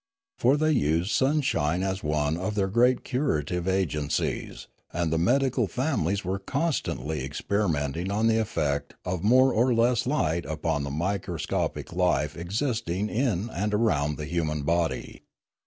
For they used sunshine My Education Continued 277 as one of their great curative agencies, and the medical families were constantly experimenting on the effect of more or less light upon the microscopic life existing in and around the human body.